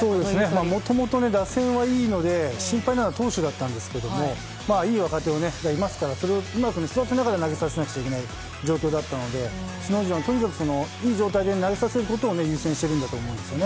もともと打線はいいので心配なのは投手だったんですけどいい若手を育てながら投げさせなくてはいけない状況だったのでとにかくいい状態で投げさせることを優先しているんだと思います。